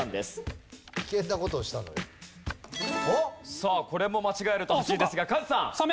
さあこれも間違えると８位ですがカズさん。